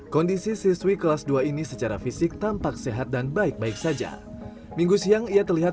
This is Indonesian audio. kondisi siswi kelas dua ini secara fisik tampak sehat dan baik baik saja minggu siang ia terlihat